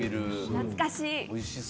懐かしい。